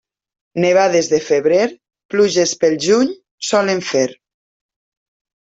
Nevades de febrer, pluges pel juny solen fer.